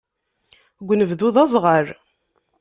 Deg unebdu, d aẓɣal.